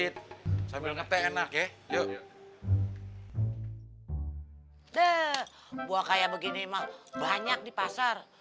deh buah kaya begini mah banyak di pasar